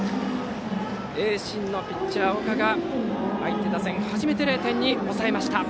盈進のピッチャー、岡が相手打線を初めて０点に抑えました。